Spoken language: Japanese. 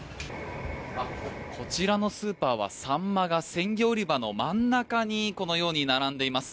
こちらのスーパーはサンマが鮮魚売り場の真ん中にこのように並んでいます。